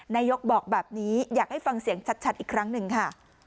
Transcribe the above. นายกบอกแบบนี้อยากให้ฟังเสียงชัดอีกครั้งหนึ่งค่ะ